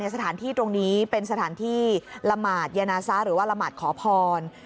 สถานที่ตรงนี้เป็นสถานที่ละหมาดยานาซะหรือว่าละหมาดขอพร